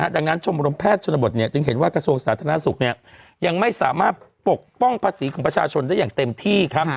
ดังนั้นชมรมแพทย์ชนบทจึงเห็นว่ากระทรวงสาธารณสุขยังไม่สามารถปกป้องภาษีของประชาชนได้อย่างเต็มที่ครับ